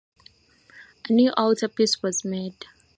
A new altarpiece was made.